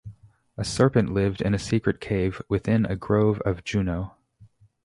A serpent lived in a secret cave within a grove of Juno.